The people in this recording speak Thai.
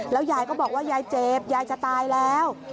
ยายก็บอกว่ายายเจ็บยายจะตายแล้ว